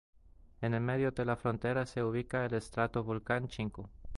En medio de la frontera se ubica el estratovolcán Chingo.